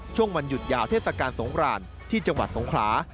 ช่วงวันหยุดยาวเทศกาลสงครานที่จังหวัดสงขลา